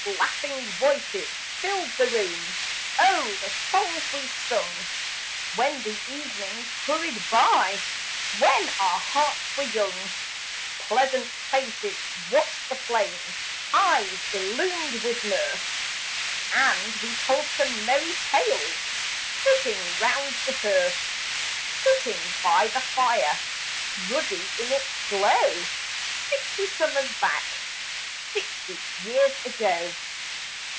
Laughing voices filled the room; Oh, the songs we sung, When the evenings hurried by When our hearts were young! Pleasant faces watched the flame Eyes illumed with mirth And we told some merry tales, Sitting round the hearth: Sitting by the fire, Ruddy in its glow, Sixty summers back Sixty years ago.